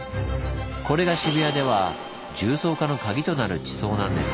これが渋谷では重層化の鍵となる地層なんです。